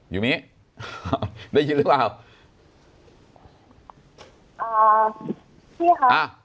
ยูมีได้ยินหรือเปล่า